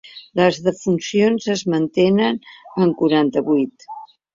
Les defuncions es mantenen en quaranta-vuit.